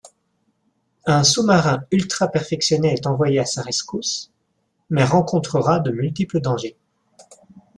Un sous-marin ultra-perfectionné est envoyé à sa rescousse, mais rencontrera de multiples dangers.